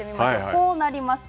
こうなります。